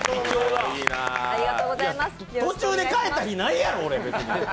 途中で帰った日ないやろ！